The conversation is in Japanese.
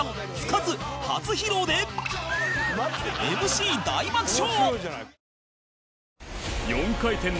ＭＣ 大爆笑！